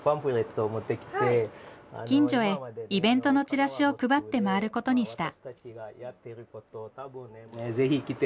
近所へイベントのチラシを配って回ることにした。